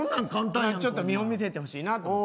ちょっと見本見せてほしいなと思って。